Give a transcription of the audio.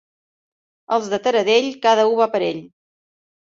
Els de Taradell, cada u va per ell.